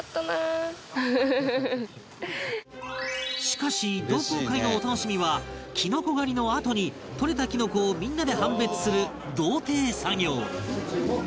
しかし同好会のお楽しみはきのこ狩りのあとに採れたきのこをみんなで判別する同定作業